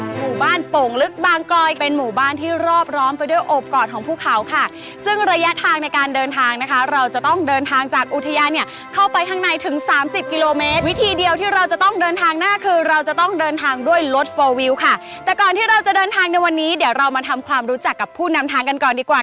หมู่บ้านโป่งลึกบางกลอยเป็นหมู่บ้านที่รอบร้อมไปด้วยโอบกอดของภูเขาค่ะซึ่งระยะทางในการเดินทางนะคะเราจะต้องเดินทางจากอุทยานเนี่ยเข้าไปข้างในถึงสามสิบกิโลเมตรวิธีเดียวที่เราจะต้องเดินทางหน้าคือเราจะต้องเดินทางด้วยรถโฟลวิวค่ะแต่ก่อนที่เราจะเดินทางในวันนี้เดี๋ยวเรามาทำความรู้จักกับผู้นำทางกันก่อนดีกว่า